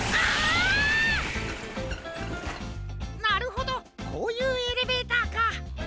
なるほどこういうエレベーターか。